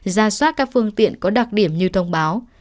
ra soát các phương tiện có đặc điểm như thông báo